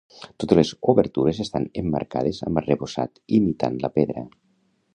Totes les obertures estan emmarcades amb arrebossat imitant la pedra.